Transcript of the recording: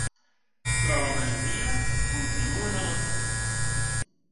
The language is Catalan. Però la majoria continuen a l’atur.